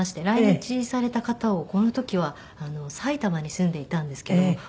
来日された方をこの時は埼玉に住んでいたんですけども。